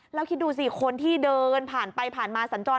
แล้วคิดดูสิคนที่เดินผ่านไปผ่านมาสัญจร